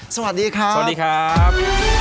สวัสดีครับ